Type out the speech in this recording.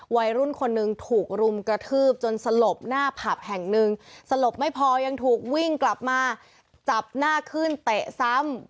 วัยรุ่นคนหนึ่งถูกรุมกระทืบจนสลบหน้าผับแห่งหนึ่งสลบไม่พอยังถูกวิ่งกลับมาจับหน้าขึ้นเตะซ้ำ